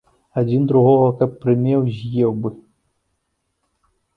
Адзін другога, каб прымеў, з'еў бы.